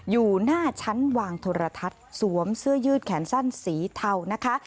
อยู่หน้าชั้นวางโทรทัศน์สวมเสื้อยืดแขนสั้นสีเทานะคะ